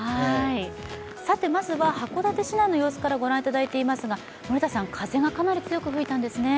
さて、まずは函館市内の様子からご覧いただいていますが、風がかなり強く吹いたんですね。